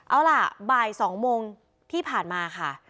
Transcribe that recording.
เอาล่ะบ่าย๒โมงที่ผ่านมาค่ะ